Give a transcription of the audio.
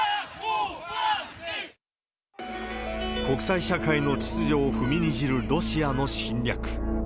国際社会の秩序を踏みにじるロシアの侵略。